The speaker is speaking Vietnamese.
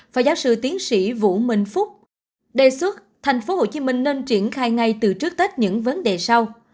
phó giáo sư tiến sĩ vũ minh phúc đề xuất tp hcm nên triển khai ngay từ trước tết những vấn đề sau